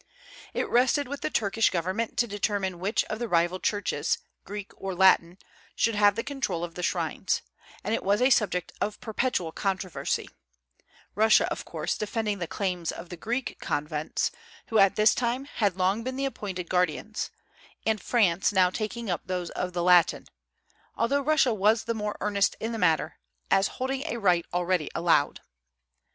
It rested with the Turkish government to determine which of the rival churches, Greek or Latin, should have the control of the shrines, and it was a subject of perpetual controversy, Russia, of course, defending the claims of the Greek convents, who at this time had long been the appointed guardians, and France now taking up those of the Latin; although Russia was the more earnest in the matter, as holding a right already allowed.